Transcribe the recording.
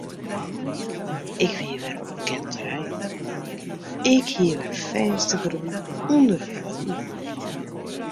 Ik wie wer op bekend terrein, ik hie wer fêstegrûn ûnder de fuotten.